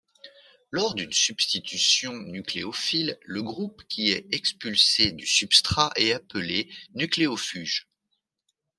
Lors d'une substitution nucléophile, le groupe qui est expulsé du substrat est appelé nucléofuge.